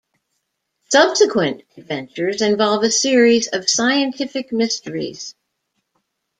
Subsequent adventures involve a series of scientific mysteries.